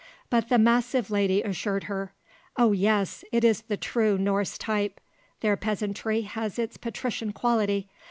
But the massive lady assured her: "Oh yes, it is the true Norse type; their peasantry has its patrician quality.